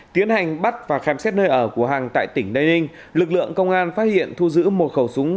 tiến hành bắt và khám xét nơi ở của hằng tại tỉnh tây ninh lực lượng công an phát hiện thu giữ một khẩu súng